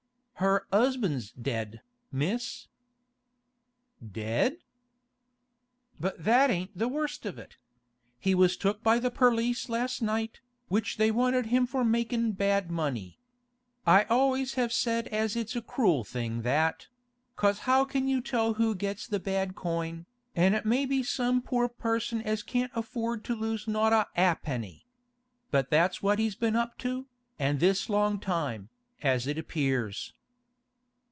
'Her 'usband's dead, Miss.' 'Dead?' 'But that ain't the worst of it. He was took by the perlice last night, which they wanted him for makin' bad money. I always have said as it's a cruel thing that: 'cause how can you tell who gets the bad coin, an' it may be some pore person as can't afford to lose not a 'apenny. But that's what he's been up to, an' this long time, as it appears.